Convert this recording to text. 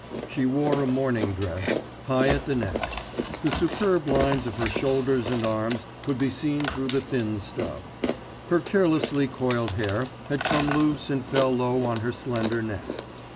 She wore a morning dress, high at the neck; the superb lines of her shoulders and arms could be seen through the thin stuff; her carelessly coiled hair had come loose and fell low on her slender neck.